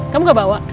kamu gak bawa